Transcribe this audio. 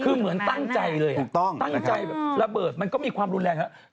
คือเหมือนตั้งใจเลยตั้งใจแบบระเบิดมันก็มีความรุนแรงแล้ว